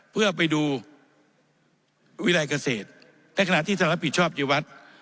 เพื่อไปดูวิรัยเกษตรในขณะที่ท่านรับผิดชอบที่วัด